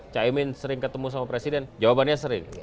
caimin sering ketemu sama presiden jawabannya sering